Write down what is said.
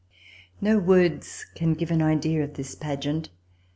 No words can give any idea of this pageant.